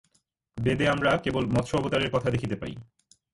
বেদে আমরা কেবল মৎস্য-অবতারের কথা দেখিতে পাই।